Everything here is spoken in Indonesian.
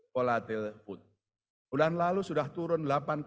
volatil food bulan lalu sudah turun